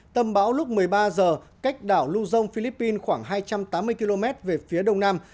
tâm bão lúc một mươi ba h cách đảo luzon philippines khoảng hai trăm tám mươi km về phía đông nam